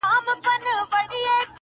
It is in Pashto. وېره حق ده خو له چا؟ -